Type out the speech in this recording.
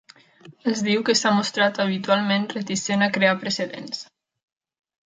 Es diu que s'ha mostrat habitualment reticent a crear precedents.